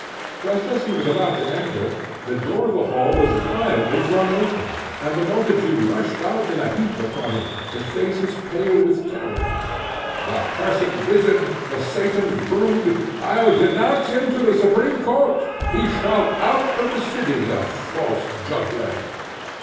Just as he was about to enter, the door of the hall was violently flung open, and the multitude rushed out in a heap upon him, their faces pale with terror. "The cursed wizard! the Satan's brood! I'll denounce him to the supreme court! He shall out of the city, the false juggler!"